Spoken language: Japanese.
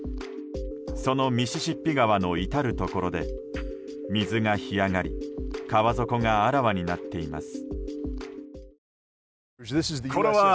そのミシシッピ川の至るところで水が干上がり川底があらわになっています。